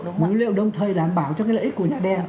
nguồn nguyên liệu đồng thời đảm bảo cho lợi ích của nhà đen